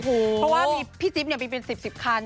เพราะว่ามีพี่จิ๊บมีเป็น๑๐คัน